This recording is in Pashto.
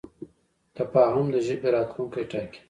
تفاهم د ژبې راتلونکی ټاکي.